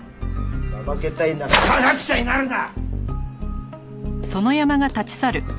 怠けたいなら科学者になるな！